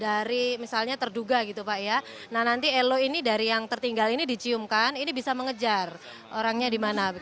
jadi misalnya terduga gitu pak ya nah nanti elo ini dari yang tertinggal ini diciumkan ini bisa mengejar orangnya di mana